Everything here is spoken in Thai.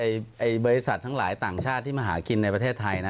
บริษัททั้งหลายต่างชาติที่มาหากินในประเทศไทยนะ